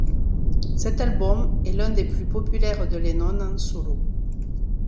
Cet album est l’un des plus populaires de Lennon en solo.